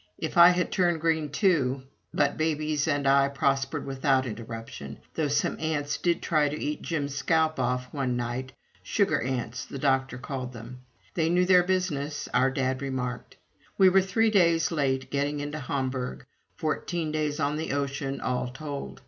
If I had turned green, too But babies and I prospered without interruption, though some ants did try to eat Jim's scalp off one night "sugar ants" the doctor called them. "They knew their business," our dad remarked. We were three days late getting into Hamburg fourteen days on the ocean, all told.